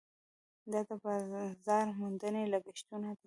دا د بازار موندنې لګښټونه دي.